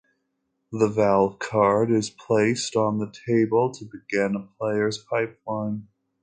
The valve card is placed on the table to begin a player's pipeline.